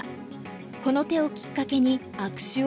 この手をきっかけに悪手を連発。